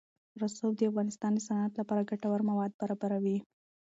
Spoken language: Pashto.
رسوب د افغانستان د صنعت لپاره ګټور مواد برابروي.